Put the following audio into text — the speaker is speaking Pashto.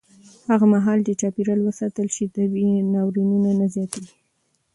هغه مهال چې چاپېریال وساتل شي، طبیعي ناورینونه نه زیاتېږي.